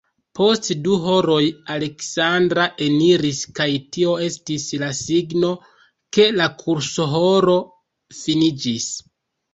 Post du horoj Aleksandra eniris kaj tio estis la signo, ke la kursohoro finiĝis.